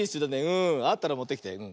あったらもってきて。